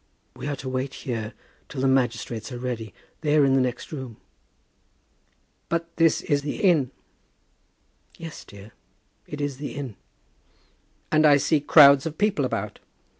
"We are to wait here till the magistrates are ready. They are in the next room." "But this is the Inn?" "Yes, dear, it is the Inn." "And I see crowds of people about."